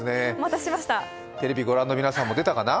テレビをご覧の皆さんも出たかな。